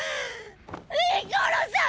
ニコロさん！！